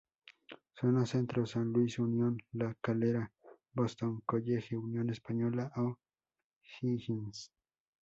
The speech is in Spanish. Zona Centro: San Luis, Unión La Calera, Boston College, Unión Española y O’Higgins.